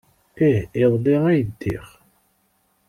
Ih, iḍelli ay ddiɣ.